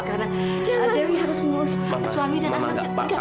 karena dewi harus menolong suami dan anaknya